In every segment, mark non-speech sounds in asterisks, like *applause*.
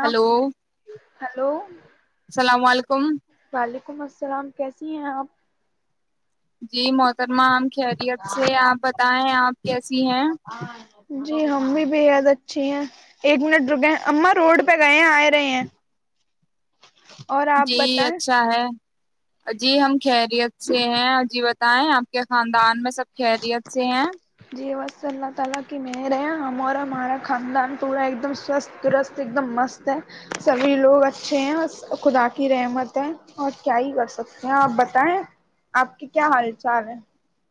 آ hello hello السلام علیکم ولیکم السلام کیسی ہیں آپ جی محترمہ عام خیریت سے آپ بتائیں آپ کیسی ہیں جی ہم بھی بےحد اچھی ہیں ایک منٹ رکیئے اا روڈ پہ گئے ہیں آ رہے ہیں اور آپ جی بتائیں اچھا ہے جی ہم خیریت سے ہیں جی بتائیں آپ کے خاندان ان میں سب خیریت سے ہیں *inaudible*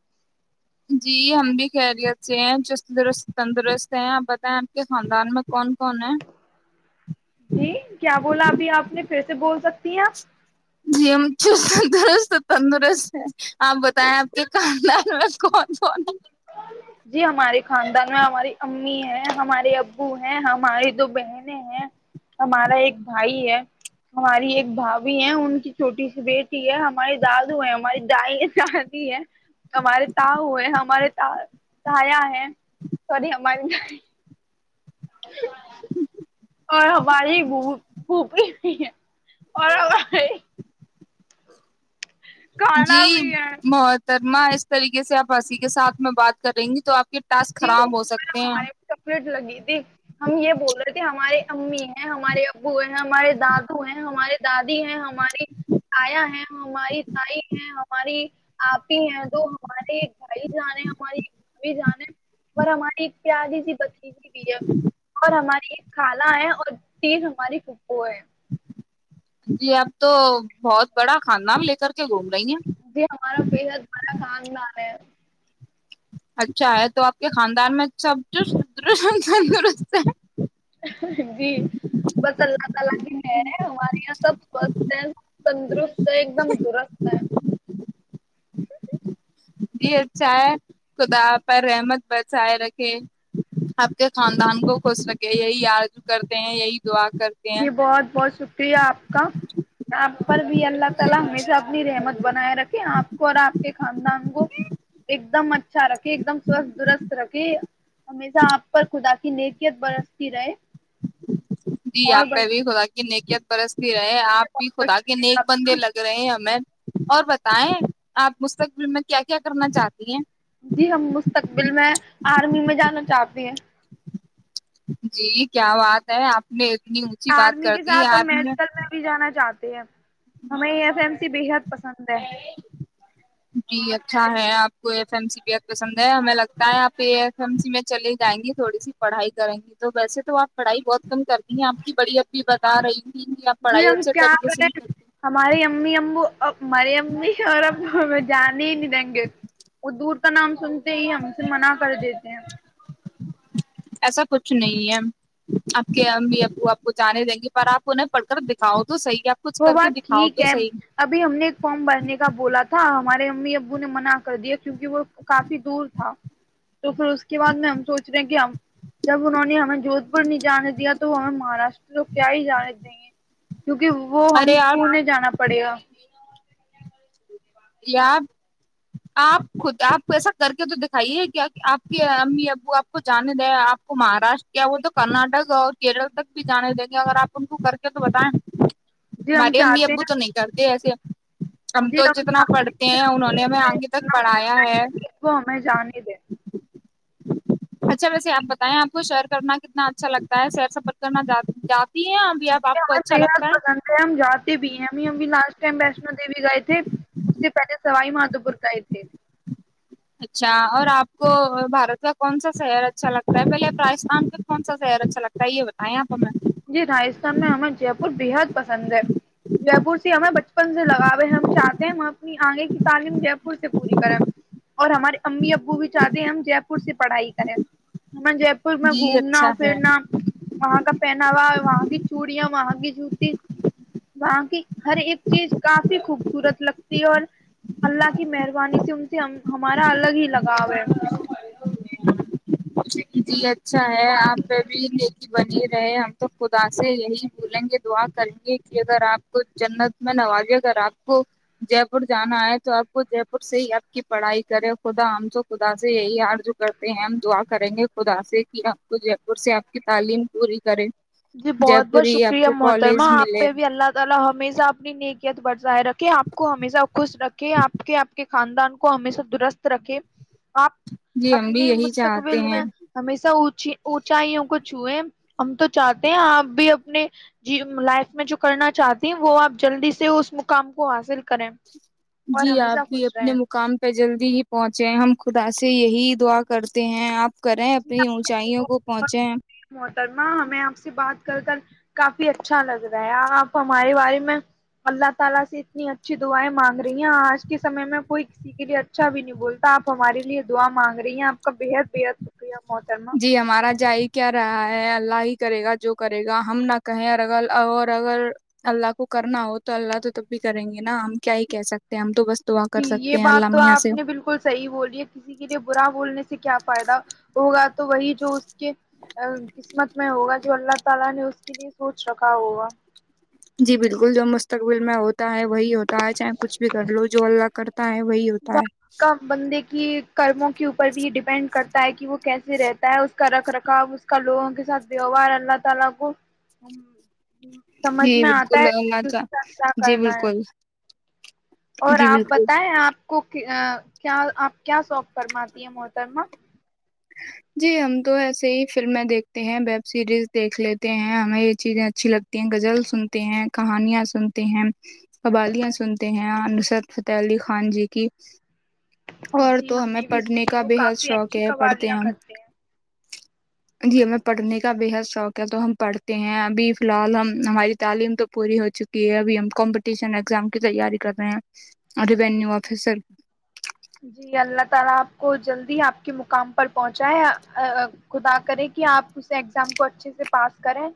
جی ہم بھی خیریت سے ہیں چرست تندرست ہیں آپ بتائیں آپ کے خاندان میں کون کون ہیں جی کیا بولا ابھی آپ نے پھر سے بول سکتے جی چو درس تندرست ہے آپ بتائیں آپ کے کاندال بس کون *inaudible* می ہے ہمارے ابو ہے ہماری دو بہن ہیں ہمارا ایک بھائی ہے ہماری ایک بھبھی ہے ان کی چھوٹی سی بیٹی ہے ہمارے دادو ہے ہماری دائی دادی ہے ہمارے تاؤئے ہمارے سایا ہے سوری ہماری *unintelligible* *inaudible* اور ہماری بھوپی *inaudible* جی کانا بھی ہے بہت درما اس طریقے سے آپ ہنسی کے ساتھ میں بات کر رہیں گی تو آپ کے س خراب ہو سکتے ہیں ی ہم یہ بول رہے تھے ہمارے امی ہیں ہمارے ابو ہیں ہمارے دادو ہیں ہمارے دادا دادی ہیں ہماری آیا ہے ہماری تائی ہیں ہم ہماری آپ ہی ہیں جو ہمارے ایک بھائی جانے ہماری ایک بھ بھی جانے اور ہماری ایک پیاری سی پتلی بھی اور ہماری کان ہے اور تیز ہماری کپو ہے جی اب تو بہت بڑا کھانا ل جی ہمارا پ بڑا کاند ہے اچھا ہے تو آپ کے خاندان میں سب تندرست ہے جی بس اللہ تعالا کی ہے ہمارے یہاں سب سوستھ ہے تندرست ہے ایک دم درست ہے جی اچھا ہے خدا پر رحمت بچائے رکھے آپ کے خاندان کو خوش رکھے یہی آارو کرتے ہیں یہی دعا کرتے ہیں جی بہت بہت شکریہ آپ کا آپ پر بھی اللہ تعالا ہمیشہ اپنی رحمت بنائے رکھے آپ کو اور آپ کے خاند نانگو ایک دمچ اچھا رکھے ایک دم سوستھ درست رکھے ہمیشہ آپ پر خدا کی نکیت برستی رہے جی جی اور آپ پہ بھی خدا کہ نے کیا سہی پ رہے آپ بھی خدا کے نیک بندے لگ رہے ہیں ہمیں اور بتائیں آپ مستقبل میں کیا کیا کرنا چاہتے جی ہم مستقبل میں آرمی میں جانا چاہتے ہیں جی کیا بات ہے آپ نے اتنی اونچی بات آرمی کر کے دی ساتھ ا آپ نے میڈیکل میں بھی جانا چاہتے ھم ہمیں یہ پ بےحد پسند ہے جی اچھا ہے آپ کو ایف ایم سی بی پسند ہے ہمیں لگتا ہے آپے ایف ایم سی میں چلے جائیں گی تھوڑی سی پڑھائی کریں گی تو ویسے تو آپ پڑھائی بہت کم کرتی ہیں آپ کی بڑی اب بھی بتا رہی ہوں جی ہم کیا کریں ہماریے امی امبو اب مری امی اور اب ہمیں جانے ہی نہیں دیں گے وہ دور کا نام سنتے ہی ہم سے منع کر دیتے ہیں ایسا کچھ نہیں ہے آپ کے امی ابو آپ کو جانے دیں گی پر آپ انہیں پڑھ کر دکھاؤ تو صحیح آپ کچھ وہ کر کے بات دکھاؤ ٹھیک تو ہے صحیح ابھی ہم نے ایک فارم بھرنے کا بولا تھا ہمارے امی ابو نے منع کر دیا کیونک وہ کافی دور تھا تو پھر اس کے بع میں ہم سوچ رہے ہیں کہ ہم جب انہوں نے ہمیں جوھ پور نہیں جانے دیا تو وہ ہمیں مہاراشٹر تو کیا ہی جانے دیں گے کیونکہ وہ ہم ارے آپ پونے جانا پڑے گا یا آپ خود آپ کو ایسا کر کے تو دکھائیے کیا آپ کے امی ابو آپ کو جانے دیں آپ کو مہاراشٹر کیا وہ تو کرناٹک اور کیرل تک بھی جانے دیں گے اگر آپ ان کو کر کے تو بتائیں جی ہم ماری امی چاہتے ابو ہیں تو نہیں کرتی دیا سیا جی چاہتے پڑھتے کہ ہیں انہوں نے ہمیں اپنی آگے تک پڑھایا ہے تہذیب کو ہمیں جانے دیں اچھا ویسے آپ بتائیں آپ کو سئر کرنا کتنا اچھا لگتا ہے سر سفر کرنا ہیں ابھی آپ جی آپ کو ہمیں اچھا بےحد لگتا پسند ہے ہم جاتے بھی ہیں ہم ہم بھی لاسٹ ٹائم ویشنو دیوی گئے تھے اس سے پہلے سوائی مادھو پور کا ہی تھے اچھا اور آپ کو بھارت کا کون سا شہر اچھا لگتا ہے پہلے ابراجستھان کا کون سا شہر اچھا لگتا ہے یہ بتائیں آپ ہمیں جی راجستھان میں ہمیں جے پور بےحد پسند ہے جے پور سے ہمیں بچپن سے لگاو ہے ہم چاہتے ہیں ہم اپنی آگے کی تعلیم جے پور سے پوری کریں اور ہمارے امی ابو بھی چاہتے ہیں ہم جے پور سے پڑھائی کریں ہم جے میں جی گھومنا اچھا ہے پھرنا وہاں کا وہاں کی چوڑیاں وہاں کی جوتی وہاں کی ہر ایک چیز کافی خوبصورت لگتی ہے اور اللہ کی مہربانی سے ان سے ہمارا الگ ہی لگاؤ ہے جی جی اچھا ہے آپ پ بھی بنی رہے ہم تو خدا سے یہی بولیں گے دعا کریں گے کہ اگر آپ کو جنت میں نوازے اگر آپ کو جے پور جانا ہے تو آپ کو جے پور سے ہی آپ کی پڑھائی کرے خدا ہم تو خدا سے یہی حارج کرتے ہیں ہم دعا کریں گے خدا سے کہ آپ کو جے پور سے آپ کی تعلیم پوری کرے جی جے بہت پور بہت ہی آپ شکریہ کو محترما کالج آپ ملے پہ بھی اللہ تعالی ہمیشہ آپ نے ن کیا بظاہر رکھ کہ آپ کو ہمیشہ خوش رکھے آپ کے آپ کے خاندان کو ہمیشہ درست رکھے آپ جی ہم بھی اپنی یہی چاہتے مستقبل ہیں میں ہمیشہ ا اونچائیوں کو چھوئے ہم تو چاہتے ہیں آپ بھی اپنے لائف میں جو کرنا چاہتے ہیں وہ آپ جلدی سے اس مقام کو حاصل کریں اور جی آپ ہمیشہ بھی خوش اپنے رہیں مقام پہ جلدی ہی پہنچے ہم خدا سے یہی دعا کرتے ہیں آپ کریں جی اپنی آپ کا اونچائیوں بہت کو بہت پہنچے شکریہ محترمہ ہمیں آپ سے بات کر کافی اچھا لگ رہا ہے آپ ہمارے بارے میں اللہ تعالی سے اتنی اچھی دعائیں مانگ رہی ہیں آج کے سمے میں کوئی کسی کے لیے اچھا بھی نہیں بولتا آپ ہمارے لیے دعا مانگ رہی ہیں آپ کا بےحد بےحد ج جی ہمارا *inaudible* کیا رہا ہے اللہ ہی کرے گا جو کرے گا ہم نہ کہیں اور ا اور اگر اللہ کو کرنا ہو تو اللہ تو تب بھی کریں گے نا ہم کیا ہی کہہ سکتے ہیں ہم تو بس دعا جی کر یہ سکتے ہیں اللہ بات تو میاں سے آپ نے بالکل صحیح بولی ہے کسی کے لیے برا بولنے سے کیا فائدا ہوگا وہی جو اس کے قسمت میں ہوگا جو اللہ تعالی نے اس کے لیے سوچ رکھا ہوا جی بالکل جو مستقبل میں ہوتا ہے وہی ہوتا ہے چاہے کچھ بھی کر لو جو اللہ کر کا بندے کی کرموں کے اوپر بھی ڈیپینڈ ڈپینڈ کرتا ہے کہ وہ کیسے رہتا ہے اس کا رکھ رکھاؤ اس کا لوگوں کے ساتھ ووہار اللہ تعالی کو جی سمجھ میں بالکل آتا ہے ہماں کہ اس کے ساتھ کیا جی کرنا ہے بالکل اور جی آپ بالکل بتائیں آپ کو کیا آپ کیا شوق فرماتی ہیں محترما جی ہم تو ایسے ہی فلمیں دیکھتے ہیں ویب سیریز دیکھ لیتے ہیں ہمیں یہ چیزیں اچھی لگتی ہیں غزل سنتے ہیں کہانیاں سنتے ہیں قبالیاں سنتے ہیں نسرد فتح علی خان جی کی اور جی تو ہم ہمیں نے بھی پڑھنے سنی کا ہے وہ بے حد کافی شوق اچھی ہے پڑھ قوالیاں کرتے ہیں جی میں پڑھنے کا بےحد تو ہم پڑھتے ہیں ابھی فی الحال ہم ہماری تعلیم تو پوری ہو چکی ہے ابھی ہم کمپٹیشن اگزام کی تیاری کر رہے ہیں ریوینیو آفیسر جی اللہ تعالا آپ کو جلدی آپ کے مقام پر پہنچائے خدا کرے کہ آپ اس ایگزام کو اچھے سے پاس کریں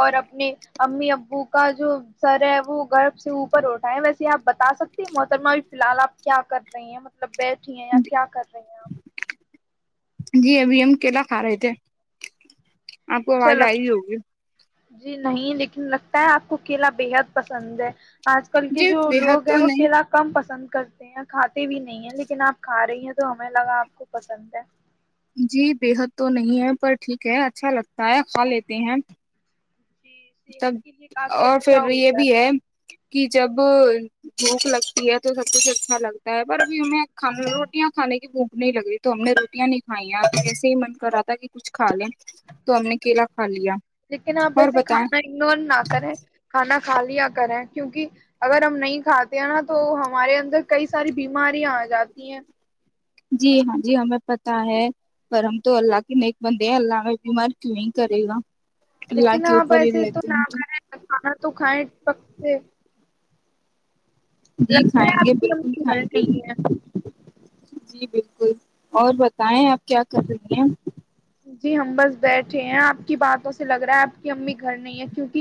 اور اپنے امی ابو کا جو سر ہے وہ گرب سے اوپر اٹھاے ی ویسے آپ بتا سکتے محترمہ ا فی الحال آپ کیا کر رہی ہیں مطلب بیٹھی ہیں یا کیا کر رہی ہیں آپ جی ابھی ہم کیلا کھا رہے تھے آپ کو اچھا آواز لگ آئی ہوگی جی نہیں لیکن لگتا ہے آپ کو کیلا بےحد پسند ہے آج کل کے جی جو بےحد لوگ ہیں تو وہ نہیں کلا کم پسند کرتے ہیں کھاتے بھی نہیں ہے لیکن آپ کھا رہی ہیں تو ہمیں لگا آپ کو پسند ہے جی بےحد تو نہیں ہے پر ٹھیک ہے اچھا لگتا ہے کھا لیتے ہیں جی تب صحت کے لیے کافی اور اچھا پھر یہ ہوتا بھی ہے کہ جب بھوک لگتی ہے تو سب کچھ اچھا لگتا ہے پر بھی ہمیں کھان روٹیاں کھانے کی بھوک نہیں لگ رہی تو ہم نے روٹیاں نہیں ہھ ویسے ہی من کر رہا تھا کہ کچھ کھا لے تو ہم نے کیلا کھ لیکن آپ ایسے کھانا انن نہ کریں کھانا کھا لیا کریں کیونکہ اگر ہم نہیں کھاتے ہیں نا تو ہمارے اندر کئی ساری بیماریاں آ جاتی ہیں جی ہاں جی ہمیں پتہ ہے پر ہم تو اللہ کے نیک بندے ہیں اللہ میں بیمار کیوں ہی کرے گا اللہ لیکن کے آپ اوپر ہی ایسے تو رہتے نہ ہیں کریں تو کھائ پکتے جی کھائیں گے آپ کی بالکل امی گھر کھائیں گے نہیں ہے جی بالکل اور بتائیں آپ کیا کر رہی ہیں جی ہم بس بیٹھے ہیں آپ کی باتوں سے لگ رہا ہے آپ کی امی گھر نہیں ہے کیوںک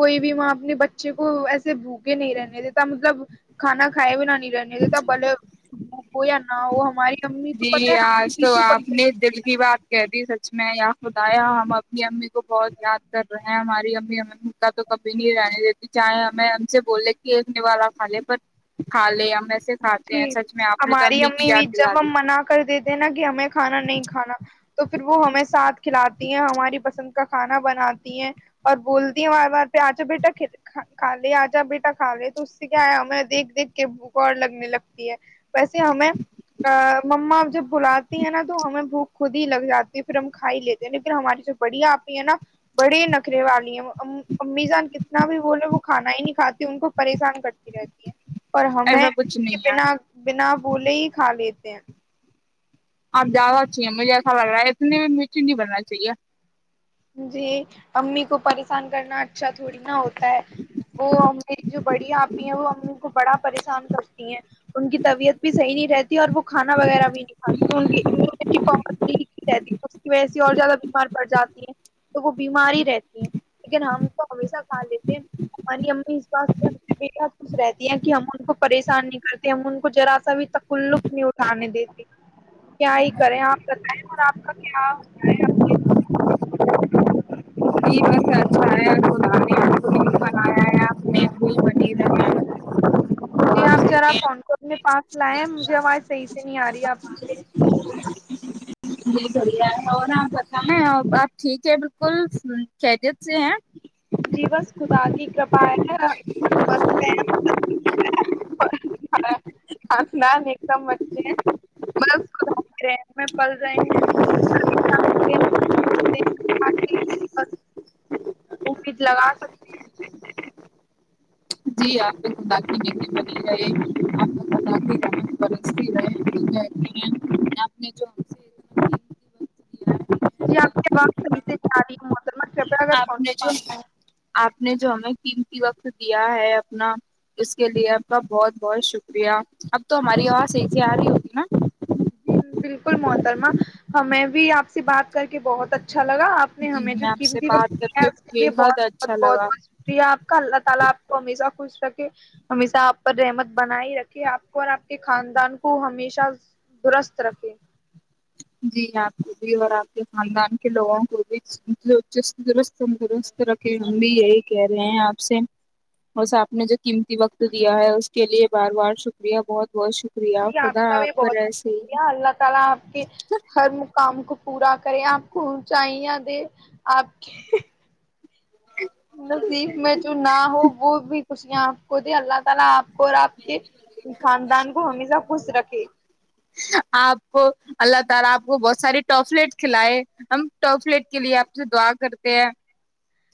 کوئی بھی ماں اپنے بچے کو ایسے بوکے نہیں رہنے دیتا مطلب کھانا کھائے بھی نہ نہیں رہنے تو بلے ہو ج نا ہاں وہ ہماری امی تو جی پتہ ہے ہمارے آج تو پیچھے پڑ آپ گئی نے دل کی بات کہہ دی س میں یا خدایا ہم اپنی امی کو بہت یاد کر رہے ہیں ہماری امی ہم کا تو کبھی نہیں رہنے دیتی چاہے ہمیں ہم سے بولے کہ ایک ن والا کھا لے پر کھا لے ہم سے کھاتے ہیں جی سچ میں آپ نے تو ہماری امی کی بھی یاد دلا جب دی ہم منع کر دیتے نا کہ ہمیں کھانا نہیں کھانا تو پھر وہ ہمیں ساتھ کھلاتی ہیں ہماری پسند کا کھانا بناتی ہیں اور بولتی ہیں بار بار پہ آجا بیٹا کا لے آجا بیٹا کھ لے تو اس سے کیا ہےیا ہمیں دیکھ دیکھ کے اور لگنے لگتی ہے ویسے ہمیں مما جب بلاتی ہے نا تو ہمیں بھوک خود ہی لگ جاتی ہے پھر ہم کھائی لیتے ہیں لیکن ہماری جو بڑیا آپ ہی ہے نا بڑی نخرے والی ہیں امی جان کتنا بھی بولے وہ کھانا ہی نہیں کھاتی ان کو پریشان کرتی رہتی ہے اور ہمیں ایسا کچھ کہ نہیں ہے بنا بنا بوولے ہی کھ *unintelligible* آپ زیادہ اچھی ہیں مجھے ایسا لگ رہا ہے اتنے بھی مچ نہیں بننا چاہیے جی امی کو پریشان کرنا اچھا تھوڑی نا ہوتا ہے وہ میری جو بڑی آپی ہیں وہ امی کو بڑا پریشان کرتی ہیں ان کی طبیعت بھی صحی نہیں رہتی اور وہ کھانا وغیرہ بھی نہیں کاتی ان کی امیونٹی پاور لیک ہی رہتی ہے تو اس کی وجہ سے اور زیادہ بیمار پڑ جاتی ہیں تو وہ بیمار ہی رہتی ہیں لیکن ہم کو ہمیشہ کھا لیتے ہیں ہماری امی اس بات سے ہمیش خوش رہتی ہیں کہ ہم ان کو پریشان نہیں کرتے ہم ان کو جذرا سا بھی تکلف نہیں اٹھانے دیتی کیا ہی کریں آپ بتائیں اور آپ کا کیا ہوتا ہے *unintelligible* جی بس اچھا ہے خدا نے آپ کو نہیں بنایا ہے آپ نے بنی رہے جی آپ ذرا فون کونے پاس لائے مجھے آواز صحیح سے نہیں آ رہی ہے آپ کی *unintelligible* آپ ٹھیک ہے بالکل کییدیت سے ہیں جی بس خدا کی کرپا ہے م آسمان ایک دم مے بس خدا کر میں پل رہئے ہیں *unintelligible* امید لگا سکتے ہیں جی آپپ نے *unintelligible* جی آپ کے ب صحیح سے ج آ رہی ہوں آپ نے جو آ *unintelligible* آ نے جو ہمیں قیمتی وقت دیا ہے اپنا اس کے لیے آپ کا بہت بہت شکریہ اب تو ہماری آواز صحیح آ رہی ہوتی نا جی بالکل محترما ہمیں بھی آپ سے بات کر کے بہت اچھا اچھا لگا اپ نے جی ہمیں جو آپ سے قیمتی بات کر ہے اس کے لیے بےحد بہت اچھا بہت لگا شکریہ اپ کا اللہ تعالی اپ کو ہمیشہ خوش خوش رکھے ہمیشہ آپ پر رحمت بنا ہی رکھے آپ کو اور آپ کے خاندان کو ہمیشہ درست رکھے *unintelligible* جی آپ کو بھی اور آپ کے خاندان کے لوگوں کو بھی درست تندرست رکھے ہم بھی یہی کہہ رہے ہیں آپ سے بس آپ نے ج قیمتی وقت دیا ہے اس کے لیے بار بار شکریہ بہت بہت شریہ جی آپ کا بھی بہت بت شکریہ اللہ تعالی آپ کہ ہر مقام کو *unintelligible* پورا کریں آپ کو اونچائیا دے آپ کے نیب میں جو نہ ہو وہ بھی خشیا آپ کوود اللہ تعالی آ اور آپ کے خاندان کو ہمیشہ خوش رکھ ج آپ کو اللہ تعالی آپ کو بہت سارے ٹافلیٹ کھلائے ہم ٹافلیٹ کے لیے آپ سے دعا کرتے ہیں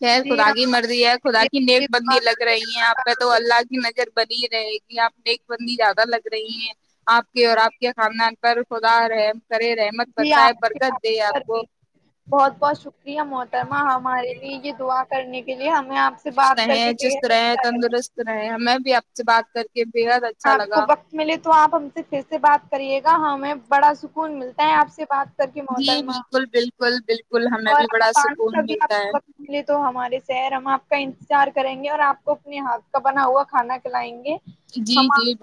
خر جی خدا کی ہم مرضی ہے خدا کی نیک بندی لگ رہی ہے آپ پہ تو اللہ کی نظر بنی رہے گی آپ نیک بندی زیادہ لگ رہی ہیں آپ کے اور آپ خاندان پر خدا رحم کرے رحمت جی بسائے برکت اپ دے آپ پر کو بھی بہت بہت شکریہ محترما ہمارے لیے دعا کرنے کے لیے ہم خوش رہے چست رہے تندرست رہے ہمیں بھی آپ سے بات کر کے بےحد اچھا آپ کو لگا وقت ملے تو آپ ہم سے پھر سے بات کریے ہاںیں بڑا سکون ملتا ہے آپ سے بات کر کے جی محترمہ بالکل بالکل بالکل ہمیں اور بھی بڑا آپ سکون ملتا ہے سر ہم آپ کا انتظار کریں گے اور آپ کو اپنے ہاتھ کا بنا ہوا کھانا کھلائیں گے جی ہم جی